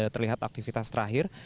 terlihat aktivitas terakhir